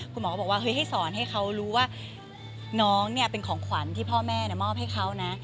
คุณหมอก็บอกว่าเฮ้ยให้สอนให้เขารู้ว่าน้องเนี่ยเป็นของขวัญที่พ่อแม่มอบให้เขานะ